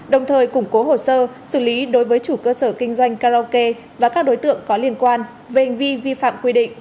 đồng thời củng cố hồ sơ xử lý đối với chủ cơ sở kinh doanh karaoke và các đối tượng có liên quan về hành vi vi phạm quy định